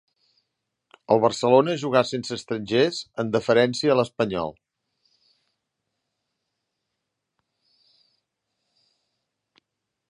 El Barcelona jugà sense estrangers en deferència a l'Espanyol.